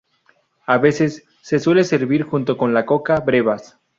A veces, se suele servir junto con la coca brevas.